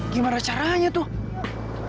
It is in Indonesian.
gimana caranya tuh